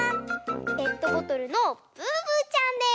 ペットボトルのブーブーちゃんです。